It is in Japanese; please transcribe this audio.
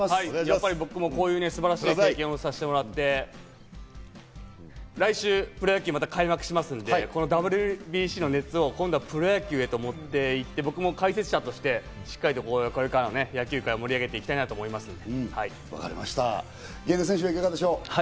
僕もこういう素晴らしい体験をさせてもらって、来週プロ野球がまた開幕しますので、ＷＢＣの熱を今度はプロ野球へと持っていって、僕も解説者としてしっかりと、これからの野球界を盛り上げていきたい源田選手はいかがでしょう？